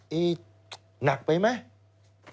นี่หนักไปไหม